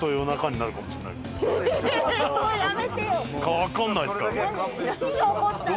わかんないですから。